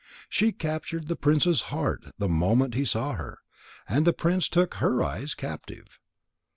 She captured the prince's heart the moment that he saw her. And the prince took her eyes captive.